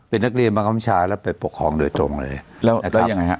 เป็นนักเรียนมาคมชาแล้วไปปกครองโดยตรงเลยแล้วแล้วยังไงครับ